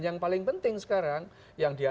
yang paling penting sekarang yang dia